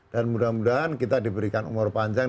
mudah mudahan kita diberikan umur panjang